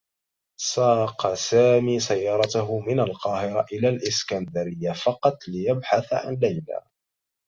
ساق سامي سيارته من القاهرة إلى الإسكندرية فقط ليبحث عن ليلى